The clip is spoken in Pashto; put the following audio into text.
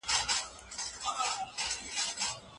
لویه جرګه د هیواد د نوي حکومت په جوړولو کي ولي اساسي رول لري؟